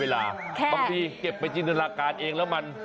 บางทีเก็บไปจินตนาการเองแล้วมัน